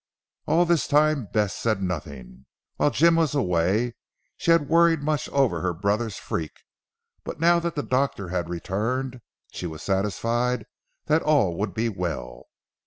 All this time Bess said nothing. While Jim was away, she had worried much over her brother's freak, but now that the doctor had returned she was satisfied that all would be well.